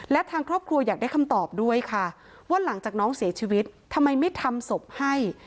และทางครอบครัวอยากได้คำตอบด้วยค่ะว่าหลังจากน้องเสียชีวิตทำไมไม่ทำศพให้